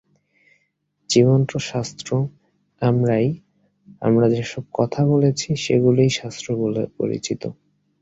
জীবন্ত শাস্ত্র আমরাই, আমরা যে-সব কথা বলেছি, সেগুলিই শাস্ত্র বলে পরিচিত।